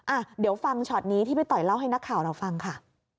อ่ะเดี๋ยวฟังช็อตนี้ที่พี่ต่อยเล่าให้นักข่าวเราฟังค่ะ